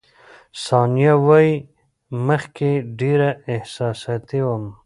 ثانیه وايي، مخکې ډېره احساساتي وم.